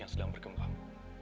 yang sedang berkembang